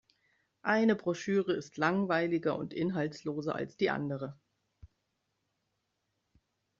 Eine Broschüre ist langweiliger und inhaltsloser als die andere.